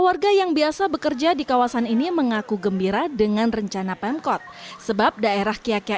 warga yang biasa bekerja di kawasan ini mengaku gembira dengan rencana pemkot sebab daerah kiyakya